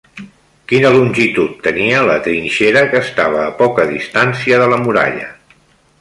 Quina longitud tenia la trinxera que estava a poca distància de la muralla?